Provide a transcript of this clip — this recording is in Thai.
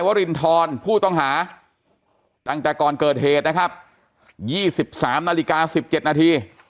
วรินทรผู้ต้องหาตั้งแต่ก่อนเกิดเหตุนะครับ๒๓นาฬิกา๑๗นาที